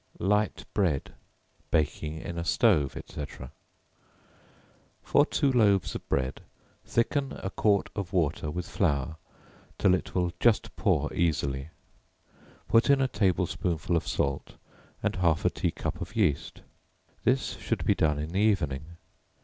Light Bread, Baking in a Stove, &c. For two loaves of bread, thicken a quart of water with flour, till it will just pour easily; put in a table spoonful of salt and half a tea cup of yeast; this should be done in the evening.